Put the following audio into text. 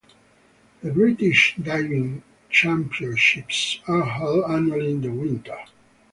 The British Diving Championships are held annually in the winter.